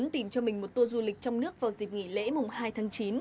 tìm cho mình một tour du lịch trong nước vào dịp nghỉ lễ mùng hai tháng chín